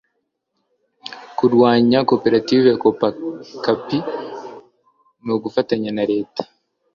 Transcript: kurwanya koperative kopakaki nugufatanya na leta